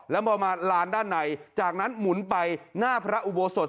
แล้วพอมาลานด้านในจากนั้นหมุนไปหน้าพระอุโบสถ